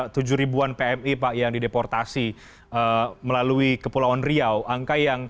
terima kasih pak